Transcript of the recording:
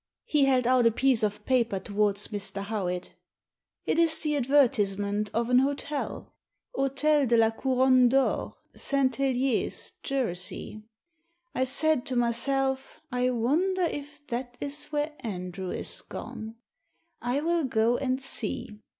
He held out a piece of paper towards Mr. Howitt " It is the advertisement of an hotel — Hotel de la Couronne d'Or, St Hdier's, Jersey. I said to myself, I wonder if that is where Andrew is gone. I will go and see.